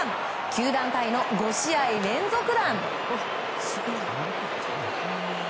球団タイの５試合連続弾。